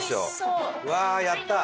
うわーやった！